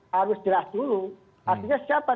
harus jelas dulu artinya siapa